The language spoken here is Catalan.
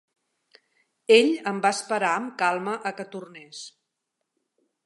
Ell em va esperar amb calma a que tornés.